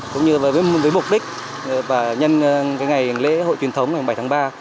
cũng như với mục đích và nhân cái ngày lễ hội truyền thống ngày bảy tháng ba